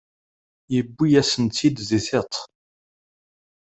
Yewwi-yasen-tt-id di tiṭ.